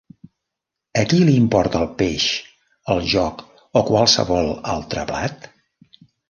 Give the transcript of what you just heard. A qui li importa el peix, el joc o qualsevol altre plat?